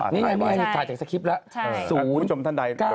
นี่ไงถ่ายจากสคริปละ๐๙๕๕๗๕๘